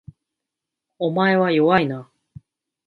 お前は弱いな